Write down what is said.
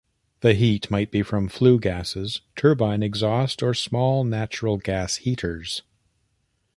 The heat might be from flue gases, turbine exhaust or small natural gas heaters.